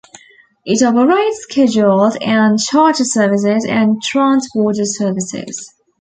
It operates scheduled and charter services and transborder services.